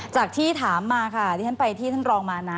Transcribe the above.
จากที่ถามมาค่ะที่ฉันไปที่ท่านรองมานะ